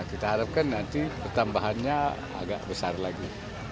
kita harapkan nanti pertambahannya agak besar lagi